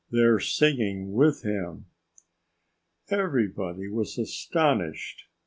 They're singing with him." Everybody was astonished.